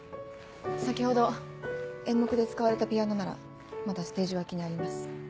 先ほど演目で使われたピアノならまだステージ脇にあります。